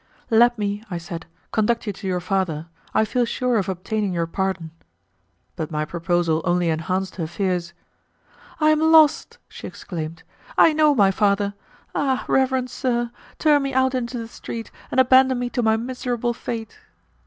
"Let me," I said, "conduct you to your father; I feel sure of obtaining your pardon." But my proposal only enhanced her fears. "I am lost," she exclaimed; "I know my father. Ah! reverend sir, turn me out into the street, and abandon me to my miserable fate."